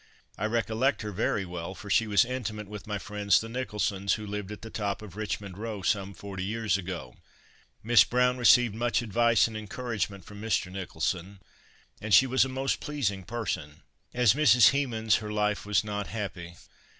I recollect her very well, for she was intimate with my friends, the Nicholsons, who lived at the top of Richmond row some forty years ago. Miss Browne received much advice and encouragement from Mr. Nicholson, and she was a most pleasing person. As Mrs. Hemans, her life was not happy.